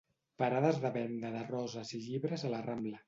Parades de venda de roses i llibres a la Rambla.